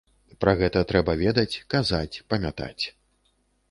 Пра гэта трэба ведаць, казаць, памятаць.